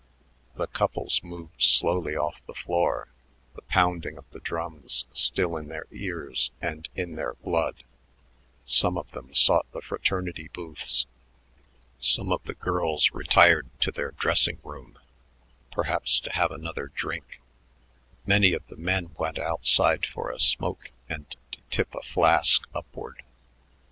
The couples moved slowly off the floor, the pounding of the drums still in their ears and in their blood; some of them sought the fraternity booths; some of the girls retired to their dressing room, perhaps to have another drink; many of the men went outside for a smoke and to tip a flask upward.